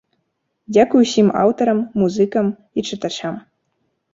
Дзякуй усім аўтарам, музыкам і чытачам.